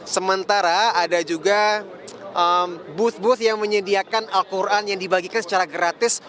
sementara ada juga bush booth yang menyediakan al quran yang dibagikan secara gratis